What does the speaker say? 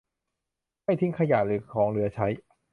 ไม่ทิ้งขยะหรือของเหลือใช้